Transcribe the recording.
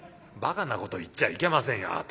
「ばかなこと言っちゃいけませんよ